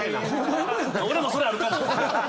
俺もそれあるかも。